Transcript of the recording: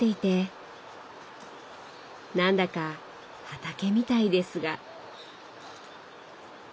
なんだか畑みたいですが。